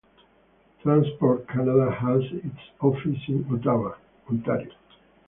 Transport Canada has its offices in Ottawa, Ontario.